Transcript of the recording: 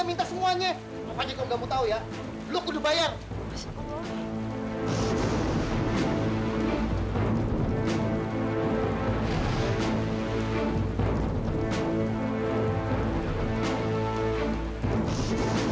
masih untung lo anaknya bang